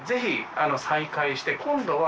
今度は。